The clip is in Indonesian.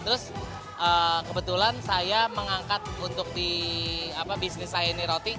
terus kebetulan saya mengangkat untuk di bisnis saya ini roti